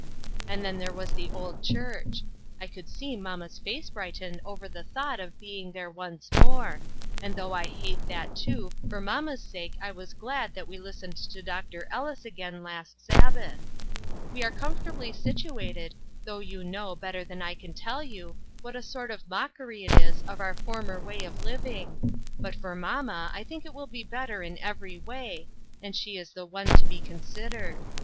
And then there was the old church. I could see mamma's face brighten over the thought of being there once more ; and though I hate that too, for mamma's sake, I was glad that we listened to Dr. Ellis again last Sabbath. We are comforta bly situated, though you know, better than I can tell you, what a sort of mockery it is of our former way of living , but for mamma I think it will be better in every way, and she is the one to be considered.